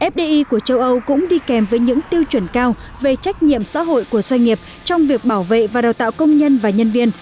fdi của châu âu cũng đi kèm với những tiêu chuẩn cao về trách nhiệm xã hội của doanh nghiệp trong việc bảo vệ và đào tạo công nhân và nhân viên